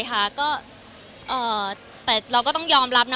แต่เราก็ต้องยอมรับนะ